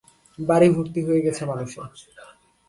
বাড়ি ভর্তি হয়ে গেছে মানুষে।